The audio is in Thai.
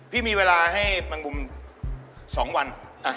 พี่มีเวลาให้แมงมุม๒วัน